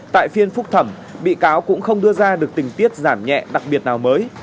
tại phiên phúc thẩm bị cáo cũng không đưa ra được tình tiết giảm nhẹ đặc biệt nào mới